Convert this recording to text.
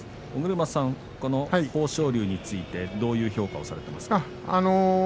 尾車さん、豊昇龍についてどういう評価をされていますか。